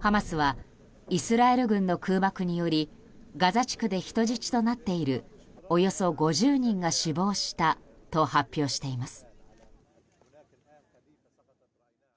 ハマスはイスラエル軍の空爆によりガザ地区で人質となっているおよそ５０人が死亡したと発表しています。